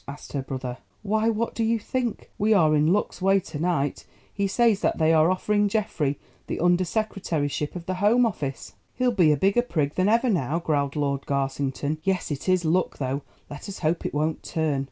asked her brother. "Why, what do you think? We are in luck's way to night. He says that they are offering Geoffrey the Under Secretaryship of the Home Office." "He'll be a bigger prig than ever now," growled Lord Garsington. "Yes, it is luck though; let us hope it won't turn."